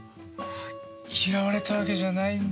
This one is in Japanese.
嫌われたわけじゃないんだ。